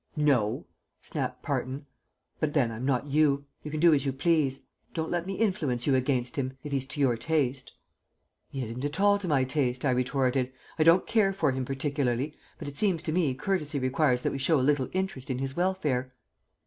"No!" snapped Parton. "But then I'm not you. You can do as you please. Don't let me influence you against him if he's to your taste." "He isn't at all to my taste," I retorted. "I don't care for him particularly, but it seems to me courtesy requires that we show a little interest in his welfare."